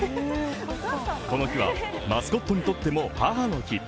この日は、マスコットにとっても母の日。